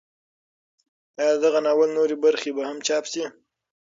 ایا د دغه ناول نورې برخې به هم چاپ شي؟